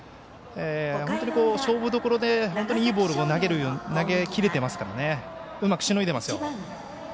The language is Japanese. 本当に勝負どころでいいボールを投げれてますからうまくしのいでいますよ。